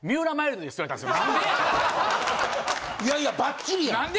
いやいやバッチリや。